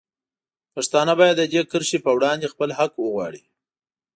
پښتانه باید د دې کرښې په وړاندې خپل حق وغواړي.